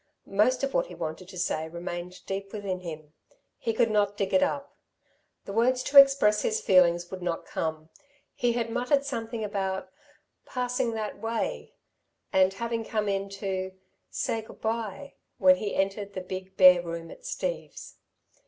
Most of what he wanted to say remained deep within him. He could not dig it up. The words to express his feeling would not come. He had muttered something about "passing that way" and having come in "to say good bye," when he entered the big, bare room at Steve's.